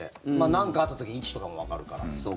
なんかあった時に位置とかもわかるから。